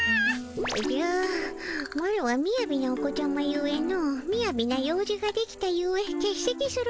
おじゃマロはみやびなお子ちゃまゆえのみやびな用事ができたゆえけっせきするとつたえてたも。